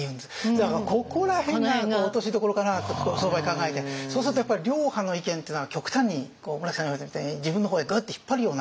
だからここら辺が落としどころかなとその場合考えてそうするとやっぱり両派の意見っていうのが極端に村木さんが言われたみたいに自分の方へグッと引っ張るような意見。